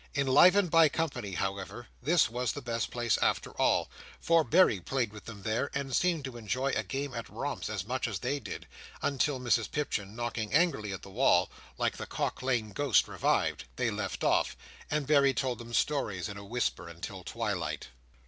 Enlivened by company, however, this was the best place after all; for Berry played with them there, and seemed to enjoy a game at romps as much as they did; until Mrs Pipchin knocking angrily at the wall, like the Cock Lane Ghost revived, they left off, and Berry told them stories in a whisper until twilight.